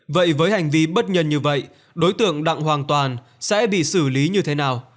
vậy với hành vi bất nhân như vậy đối tượng đặng hoàn toàn sẽ bị xử lý như thế nào